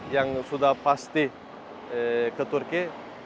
yang sudah pasti ke turki